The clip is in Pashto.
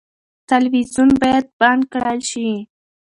تلویزیون باید بند کړل شي.